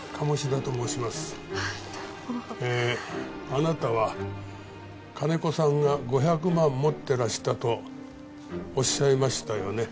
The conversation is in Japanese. あなたは金子さんが５００万持ってらしたとおっしゃいましたよね？